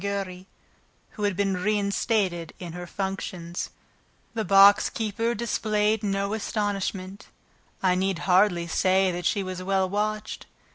Giry, who had been reinstated in her functions. The box keeper displayed no astonishment. I need hardly say that she was well watched.